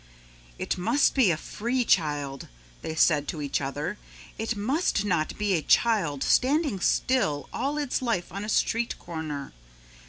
"It must be a free child," they said to each other. "It must not be a child standing still all its life on a street corner.